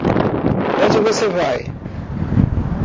Onde você vai?